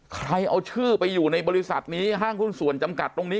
ใครเอาชื่อไปอยู่ในบริษัทนี้ห้างหุ้นส่วนจำกัดตรงนี้